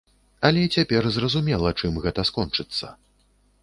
Але цяпер зразумела, чым гэта скончыцца.